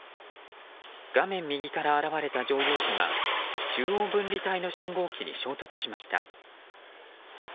画面右から現れた乗用車が中央分離帯の信号機に衝突しました。